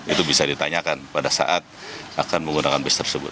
itu bisa ditanyakan pada saat akan menggunakan bis tersebut